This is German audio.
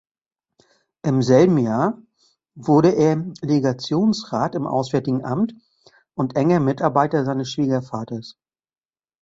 Im selben Jahr wurde er Legationsrat im Auswärtigen Amt und enger Mitarbeiter seines Schwiegervaters.